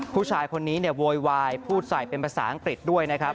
ผู้ชายคนนี้เนี่ยโวยวายพูดใส่เป็นภาษาอังกฤษด้วยนะครับ